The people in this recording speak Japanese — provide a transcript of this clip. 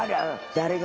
誰が？